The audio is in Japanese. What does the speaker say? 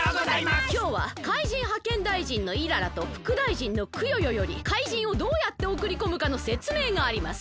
きょうは怪人はけんだいじんのイララとふくだいじんのクヨヨより怪人をどうやっておくりこむかのせつめいがあります。